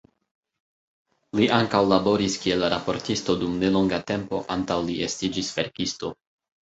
Li ankaŭ laboris kiel raportisto dum nelonga tempo antaŭ li estiĝis verkisto.